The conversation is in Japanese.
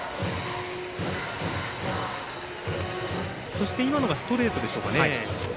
そして今のがストレートでしょうかね。